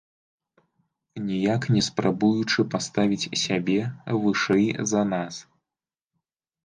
Ніяк не спрабуючы паставіць сябе вышэй за нас.